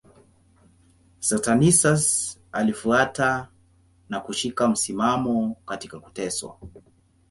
Saturninus alifuata na kushika msimamo katika kuteswa.